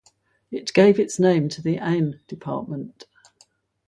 It gave its name to the Ain department.